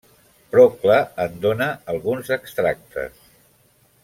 Procle en dona alguns extractes.